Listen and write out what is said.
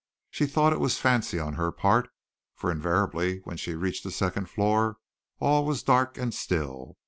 She thought it was fancy on her part, for invariably when she reached the second floor all was dark and still.